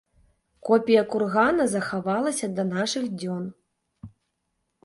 Копія кургана захавалася да нашых дзён.